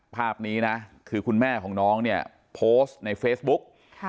ภาพนี้นะคือคุณแม่ของน้องเนี่ยโพสต์ในเฟซบุ๊ก